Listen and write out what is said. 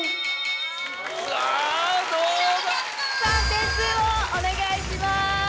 点数をお願いします。